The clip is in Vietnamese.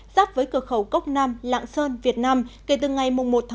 giáp với cửa khẩu cốc nam lạng sơn việt nam kể từ ngày một một